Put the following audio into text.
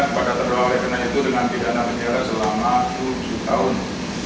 menentukan pidana kepada terdakwa oleh kena itu dengan pidana penjara selama tujuh tahun